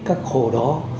các hồ đó